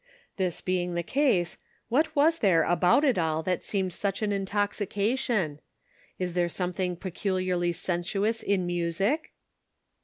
This being the case, what was there about it all that seemed such an intoxication ? Is there something peculiarly sensuous in music?